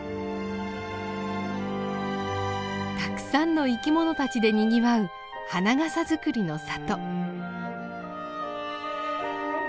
たくさんの生きものたちでにぎわう花笠作りの里。